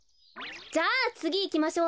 じゃあつぎいきましょう。